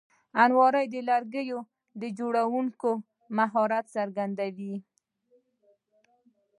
الماري د لرګیو جوړوونکي مهارت څرګندوي